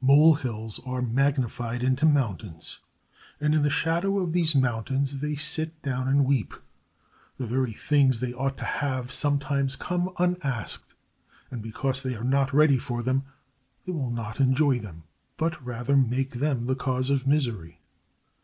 Molehills are magnified into mountains, and in the shadow of these mountains they sit down and weep. The very things they ought to have sometimes come unasked, and because they are not ready for them they will not enjoy them, but rather make them the cause of misery.